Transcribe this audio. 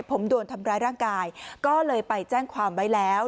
ผมโดนทำร้ายร่างกายก็เลยไปแจ้งความไว้แล้ว